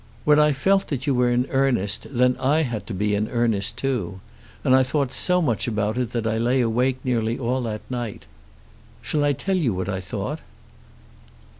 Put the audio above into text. "When I felt that you were in earnest, then I had to be in earnest too. And I thought so much about it that I lay awake nearly all that night. Shall I tell you what I thought?"